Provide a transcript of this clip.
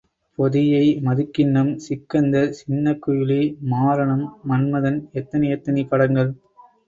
பொதியை, மதுக்கிண்ணம் சிக்கந்தர், சின்னக் குயிலி, மாரணம், மன்மதன், எத்தனை எத்தனை படங்கள்.